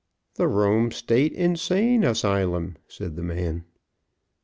"The Rome State Insane Asylum," said the man.